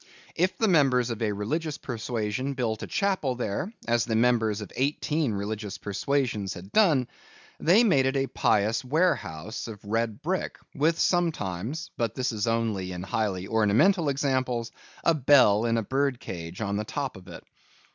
If the members of a religious persuasion built a chapel there—as the members of eighteen religious persuasions had done—they made it a pious warehouse of red brick, with sometimes (but this is only in highly ornamental examples) a bell in a birdcage on the top of it.